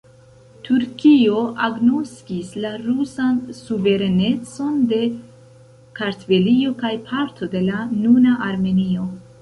Turkio agnoskis la rusan suverenecon de Kartvelio kaj parto de la nuna Armenio.